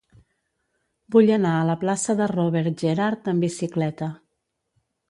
Vull anar a la plaça de Robert Gerhard amb bicicleta.